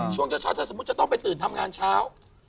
ช่วงเช้าถ้าสมมุติจะต้องไปตื่นทำงานเช้า